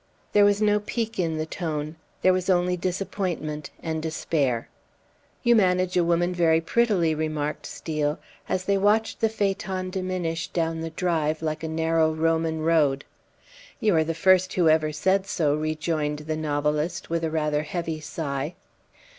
There was no pique in the tone. There was only disappointment and despair. "You manage a woman very prettily," remarked Steel, as they watched the phaeton diminish down the drive like a narrow Roman road. "You are the first who ever said so," rejoined the novelist, with a rather heavy sigh.